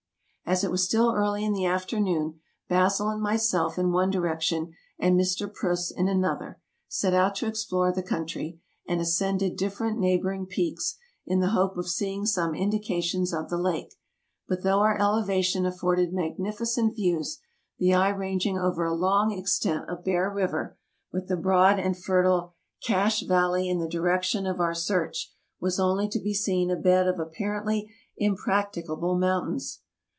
As it was still early in the afternoon, Basil and myself in one direction, and Mr. Preuss in another, set out to explore the country, and ascended different neighboring peaks, in the hope of seeing some indications of the lake ; but though our elevation afforded magnificent views, the eye ranging over a long extent of Bear River, with the broad and fertile Cache valley in the direction of our search, was only to be seen a bed of apparently impracticable mountains.